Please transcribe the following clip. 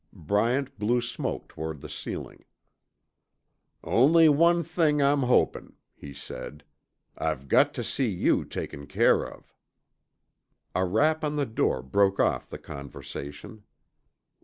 Bryant blew smoke toward the ceiling. "Only one thing I'm hopin'," he said. "I've got tuh see you taken care of." A rap on the door broke off the conversation.